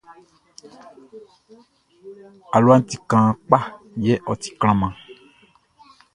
Aluaʼn ti kaan kpa yɛ ɔ ti klanman.